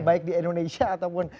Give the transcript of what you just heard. baik di indonesia ataupun di perusahaan